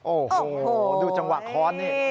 โอ้โหดูจังหวะค้อนนี่